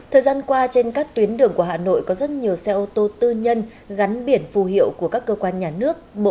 thời gian qua trên các tuyến đường của hà nội có rất nhiều xe ô tô tư nhân gắn biển phù hiệu của các cơ quan nhà nước bộ công an bộ quốc phòng